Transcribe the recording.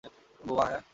বোমা, হ্যাঁ?